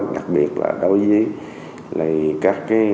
đặc biệt là đối với các hoạt động